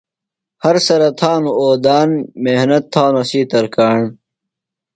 ہر سرہ تھانوۡ اودان، محۡنت تھانوۡ اسی ترکاݨ